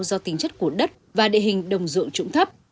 do tính chất của đất và địa hình đồng dụng trụng thấp